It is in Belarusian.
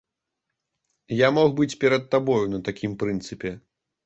Я мог быць перад табою на такім прынцыпе.